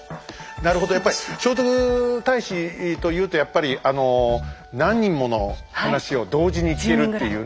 なるほどやっぱり聖徳太子というとやっぱり何人もの話を同時に聞けるっていうね。